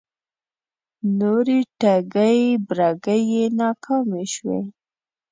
نورې ټگۍ برگۍ یې ناکامې شوې